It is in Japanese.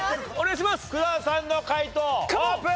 福澤さんの解答オープン！